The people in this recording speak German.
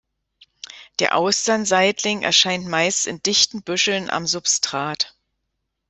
Der Austern-Seitling erscheint meist in dichten Büscheln am Substrat.